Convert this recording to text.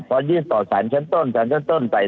พอยื่นต่อสารชั้นต้นสารชั้นต้นไป